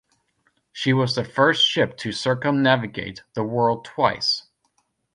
She was the first ship to circumnavigate the world twice.